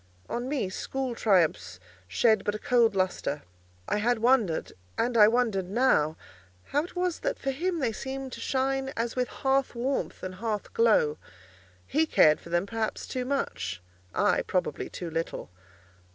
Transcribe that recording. On me school triumphs shed but a cold lustre. I had wondered—and I wondered now—how it was that for him they seemed to shine as with hearth warmth and hearth glow. He cared for them perhaps too much; I, probably, too little.